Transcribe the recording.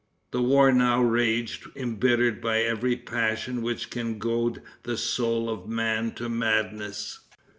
The war now raged, embittered by every passion which can goad the soul of man to madness.